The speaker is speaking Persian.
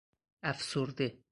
افسرده